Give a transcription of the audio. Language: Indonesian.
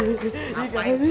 ngapain sih pake dikejar